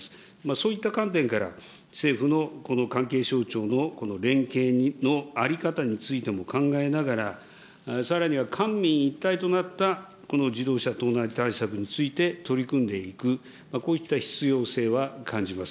そういった観点から、政府のこの関係省庁の連携の在り方についても考えながら、さらには官民一体となった、この自動車盗難対策について取り組んでいく、こういった必要性は感じます。